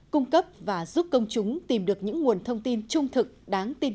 cung cấp và giúp công chúng tìm được những nội dung thông tin